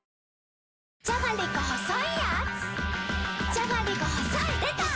じゃがりこ細いやーつ